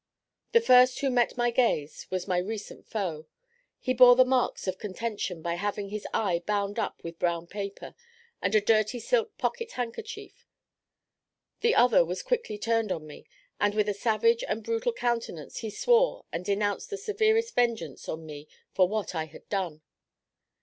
The first who met my gaze, was my recent foe; he bore the marks of contention by having his eye bound up with brown paper and a dirty silk pocket handkerchief; the other was quickly turned on me; and, with a savage and brutal countenance, he swore and denounced the severest vengeance on me for what I had done.